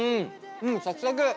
うんサクサク。